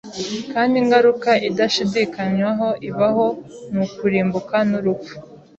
kandi ingaruka idashidikanywaho ibaho ni ukurimbuka n’urupfu.